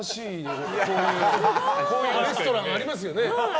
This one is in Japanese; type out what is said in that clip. こういうレストランありますよね。